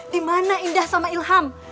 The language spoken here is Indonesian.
dimana indah sama ilham